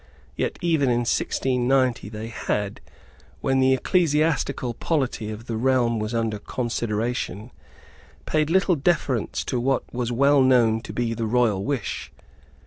Yet, even in 1690, they had, when the ecclesiastical polity of the realm was under consideration, paid little deference to what was well known to be the royal wish.